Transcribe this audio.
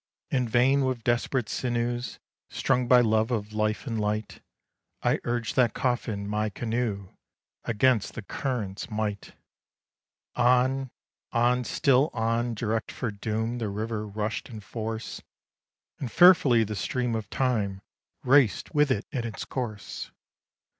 In vain with desperate sinews, strung by love of life and light, I urged that coffin, my canoe, against the current's might: On on still on direct for doom, the river rush'd in force, And fearfully the stream of Time raced with it in its course.